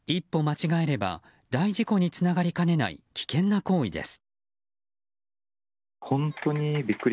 一歩間違えれば大事故につながりかねない危険な行為です。